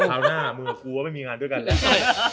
คราวหน้ามึงกับกูไม่มีงานด้วยกันเลย